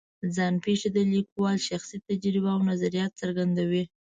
ځان پېښې د لیکوال شخصي تجربې او نظریات څرګندوي.